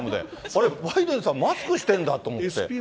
あれ、バイデンさん、マスクしてんだと思って。